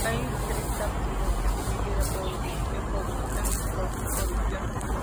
Hay tres etapas de producción de vídeo: preproducción, producción, y posproducción.